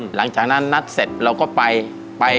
หลังจากนั้นนัดเสร็จเราก็ไปไป